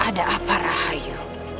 ada apa rahayu